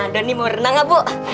doni mau renang gak bu